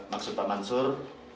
maksud pak mansur